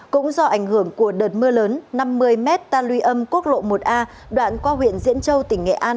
cũng do ảnh hưởng của đợt mưa lớn năm mươi m ta lưu âm quốc lộ một a đoạn qua huyện diễn châu tỉnh nghệ an